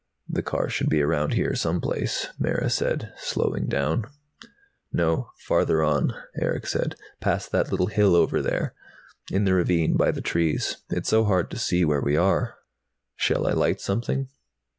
"The car should be around here, someplace," Mara said, slowing down. "No. Farther on," Erick said. "Past that little hill over there. In the ravine, by the trees. It's so hard to see where we are." "Shall I light something?"